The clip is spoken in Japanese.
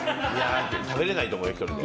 食べれないと思うよ、１人で。